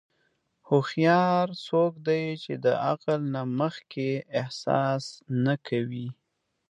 هوښیار څوک دی چې د عقل نه مخکې احساس نه کوي.